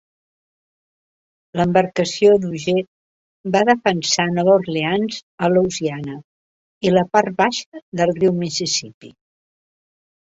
L'embarcació de Huger va defensar Nova Orleans, a Louisiana, i la part baixa del riu Mississippí.